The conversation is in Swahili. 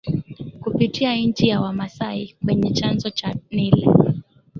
Kupitia nchi ya Wamasai kwenye chanzo cha Nile